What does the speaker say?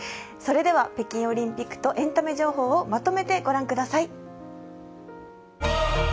それでは北京オリンピックとエンタメ情報をまとめて御覧ください。